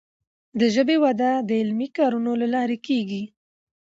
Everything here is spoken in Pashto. د ژبي وده د علمي کارونو له لارې کیږي.